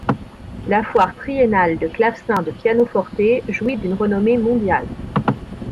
La foire triennale de clavecin de pianoforte jouit d'une renommée mondiale.